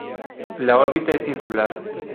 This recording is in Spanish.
La órbita es circular.